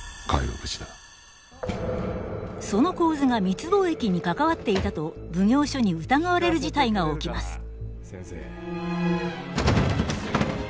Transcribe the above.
その神頭が密貿易に関わっていたと奉行所に疑われる事態が起きます。